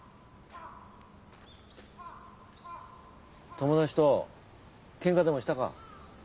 友達とけんかでもしたか？